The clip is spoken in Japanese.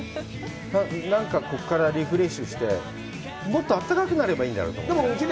何かここからリフレッシュして、もっとあったかくなったらいいと思う。